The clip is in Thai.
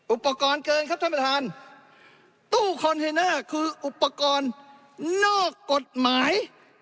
อุปกรณ์เกินครับท่านประธานตู้คอนเทนเนอร์คืออุปกรณ์นอกกฎหมาย